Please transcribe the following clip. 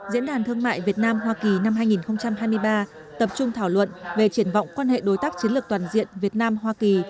diễn đàn thương mại việt nam hoa kỳ năm hai nghìn hai mươi ba tập trung thảo luận về triển vọng quan hệ đối tác chiến lược toàn diện việt nam hoa kỳ